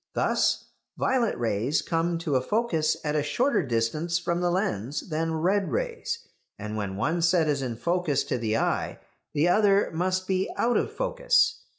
Thus, violet rays come to a focus at a shorter distance from the lens than red rays, and when one set is in focus to the eye the other must be out of focus.